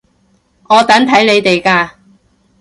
我等睇你哋㗎